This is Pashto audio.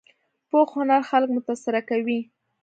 پوخ هنر خلک متاثره کوي